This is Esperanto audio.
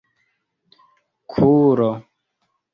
kulo